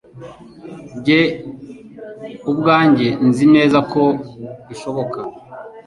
jye ubwanjye nzi neza ko bishoboka